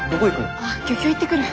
ああ漁協行ってくる。